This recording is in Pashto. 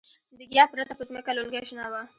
د ګیاه پرته په ځمکه لونګۍ شنه وه.